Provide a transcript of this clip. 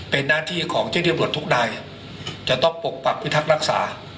เป็นหน้าที่ของเจ้าที่ตำรวจทุกนายจะต้องปกปักพิทักษ์รักษา